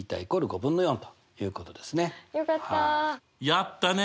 やったね。